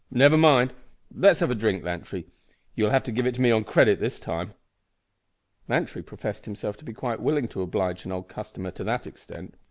But never mind. Let's have a drink, Lantry; you'll have to give it me on credit this time!" Lantry professed himself to be quite willing to oblige an old customer to that extent.